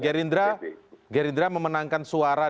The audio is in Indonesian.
gerindra memenangkan suara